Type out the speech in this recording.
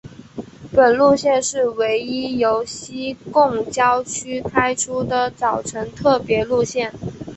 本路线是唯一由西贡郊区开出的早晨特别路线。